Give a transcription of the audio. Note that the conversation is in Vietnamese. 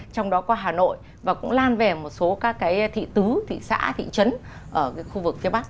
trong đó có hà nội và cũng lan về một số các thị tứ thị xã thị trấn ở khu vực phía bắc